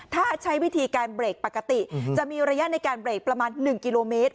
ถ้าใช้วิธีการเบรกปกติจะมีระยะในการเบรกประมาณ๑กิโลเมตร